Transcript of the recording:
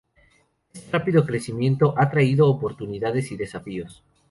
Este rápido crecimiento ha traído oportunidades y desafíos.